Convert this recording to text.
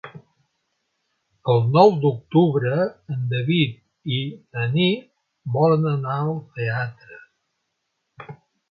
El nou d'octubre en David i na Nit volen anar al teatre.